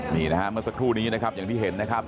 นี่นะฮะเมื่อสักครู่นี้นะครับอย่างที่เห็นนะครับ